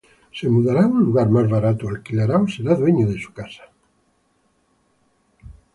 ¿Se mudará a un lugar más barato, alquilará o será dueño de su casa?